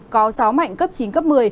có gió mạnh cấp chín cấp một mươi